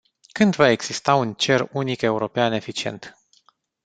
Când va exista un cer unic european eficient?